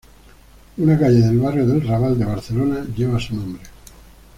Una calle del barrio del Raval de Barcelona lleva su nombre.